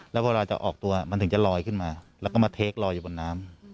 แล้วเวลาจะออกตัวมันถึงจะลอยขึ้นมาแล้วก็มาเทคลอยอยู่บนน้ำ